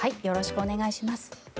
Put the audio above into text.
よろしくお願いします。